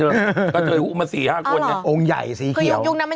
นึกออกปะ